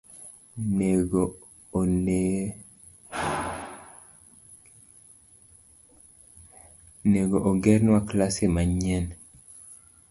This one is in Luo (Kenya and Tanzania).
Nego ogernwa klese manyien.